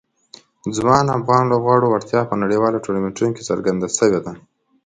د ځوان افغان لوبغاړو وړتیا په نړیوالو ټورنمنټونو کې څرګنده شوې ده.